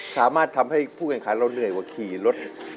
สามารถทำให้ผู้แข่งขันเราเหนื่อยกว่าขี่รถ